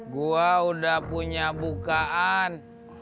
gua udah punya bukaan